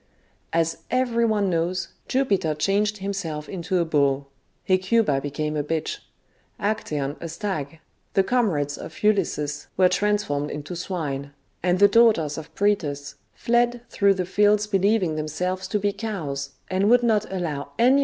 *' As every one knows, Jupiter changed himself into a bull ; Hecuba became a bitch ; ActsBon a stag ; the comrades of Ulysses were transformed into swine ; and the daughters of Proetus fled through the fields be lieving themselves to be cows, and would not allow any LYCANTHROPY AMONG THE ANCIENTS.